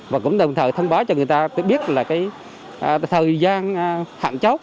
và cũng đồng thời thông báo cho người ta biết là cái thời gian hạn chấu